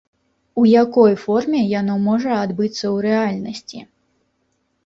У якой форме яно можа адбыцца ў рэальнасці?